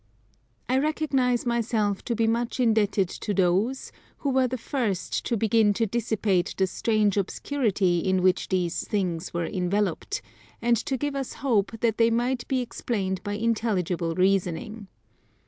I recognize myself to be much indebted to those who were the first to begin to dissipate the strange obscurity in which these things were enveloped, and to give us hope that they might be explained by intelligible reasoning.